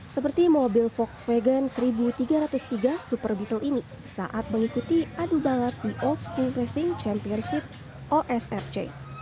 seperti mobil volkswagen seribu tiga ratus tiga super beatle ini saat mengikuti adu balap di old school racing championship osrc